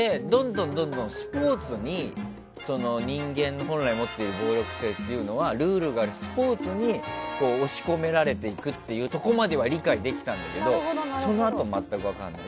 どんどんスポーツに人間の本来持っている暴力性はルールがある、スポーツに押し込められていくというところまでは理解できたんだけどそのあと、全く分からない。